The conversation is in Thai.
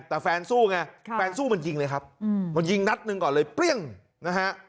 แต่แฟนสู้ไงแฟนสู้มันยิงเลยครับมันยิงนัดหนึ่งก่อนเลยเปรี้ยงนะฮะ